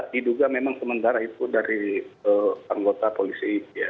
diduga memang sementara itu dari anggota polisi